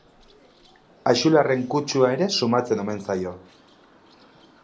Axularren kutsua ere sumatzen omen zaio.